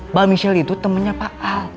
mbak michelle itu temennya pak al